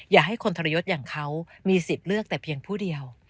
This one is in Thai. อย่าให้คนทรยศอย่างเขามีสิทธิ์เลือกแต่เพียงผู้เดียว